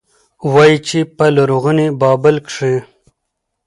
وايي، چې په لرغوني بابل کې